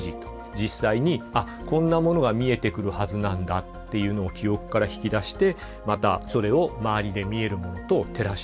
実際に「あっこんなものが見えてくるはずなんだ」っていうのを記憶から引き出してまたそれを周りで見えるものと照らし合わせる必要がある。